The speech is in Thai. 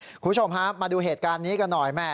คุณผู้ชมฮะมาดูเหตุการณ์นี้กันหน่อยแม่